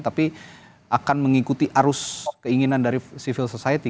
tapi akan mengikuti arus keinginan dari civil society